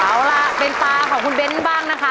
เอาล่ะเป็นตาของคุณเบ้นบ้างนะคะ